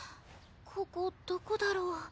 ここどこだろう？